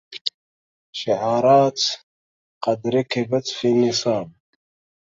شعرات قد ركبت في نصاب